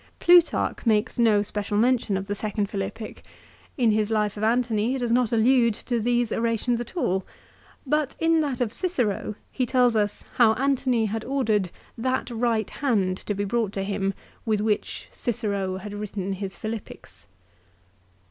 Plutarch makes no special mention of the second Philippic. In his life of Antony he does not allude to these orations at all, but in that of Cicero he tells us how Antony THE PHILIPPICS. 245 had ordered that right hand to be brought to him with which " Cicero had written his Philippics."